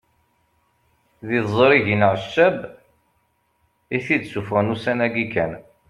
D tiẓrigin Ɛeccab i t-id-isuffɣen ussan-agi kan